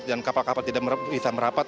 dan kapal kapal tidak bisa merapat